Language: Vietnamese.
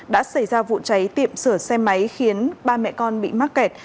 đã xảy ra vụ cháy tiệm sửa xe máy khiến ba mẹ con bị mắc kẹt